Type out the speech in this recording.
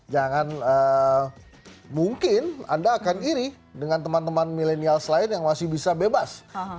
jangan mungkin anda akan iri dengan teman teman milenials lain yang masih bisa bebas